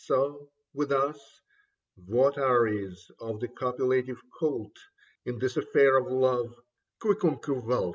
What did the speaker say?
So with us, Votaries of the copulative cult. In this affair of love, quicumque vult.